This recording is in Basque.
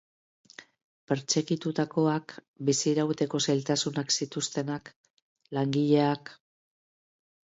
Pertsegitutakoak, bizirauteko zailtasunak zituztenak, langileak...